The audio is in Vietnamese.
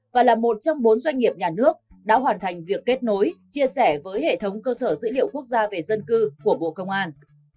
và là một trong bốn doanh nghiệp nhà nước đã hoàn thành việc kết nối chia sẻ với hệ thống cơ sở dữ liệu quốc gia về dân cư của bộ công an